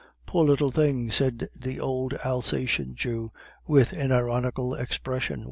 "'Poor little thing!' said the old Alsacien Jew, with an ironical expression.